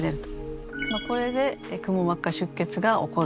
これでくも膜下出血が起こる。